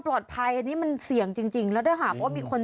เพราะมีคนตามไป